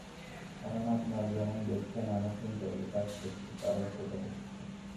কারণ আপনারা যেমন দেখেছেন আমার চিন্তাগুলো কাজ করছে, তাঁরাও সেটা দেখেছেন।